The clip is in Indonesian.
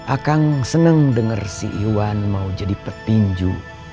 akang seneng denger si iwan mau jadi petinju